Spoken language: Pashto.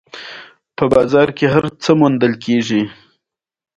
ما یو ساعت اخبارونه ولوستل او د جبهې خبرونه مې ولیدل.